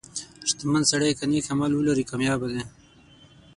• شتمن سړی که نیک عمل ولري، کامیابه دی.